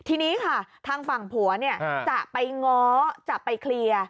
ที่นี้ทางฝั่งผัวจะไปง้อจะไปเคลียร์